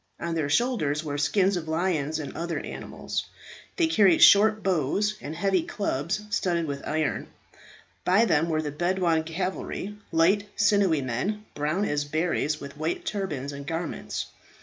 On their shoulders were skins of lions and other wild animals. They carried short bows, and heavy clubs studded with iron. By them were the Bedouin cavalry, light, sinewy men, brown as berries, with white turbans and garments.